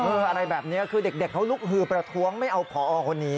อะไรแบบนี้คือเด็กเขาลุกฮือประท้วงไม่เอาผอคนนี้